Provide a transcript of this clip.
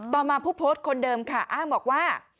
ต่อมาผู้โพสต์คนเดิมค่ะอ้างบอกว่า